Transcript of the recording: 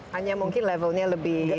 hanya mungkin levelnya lebih